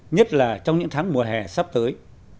nhất là trong những tháng mùa hè sắp tới